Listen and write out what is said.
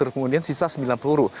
kemudian sisa sembilan peluru